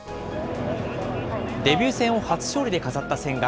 デビュー戦を初勝利で飾った千賀。